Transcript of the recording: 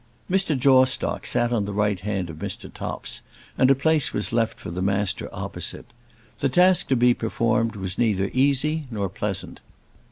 Mr. Jawstock sat on the right hand of Mr. Topps, and a place was left for the Master opposite. The task to be performed was neither easy nor pleasant.